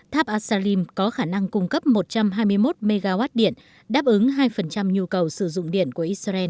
tháp asalim có khả năng cung cấp một trăm hai mươi một mw điện đáp ứng hai nhu cầu sử dụng điện của israel